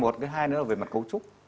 một cái hai nữa là về mặt cấu trúc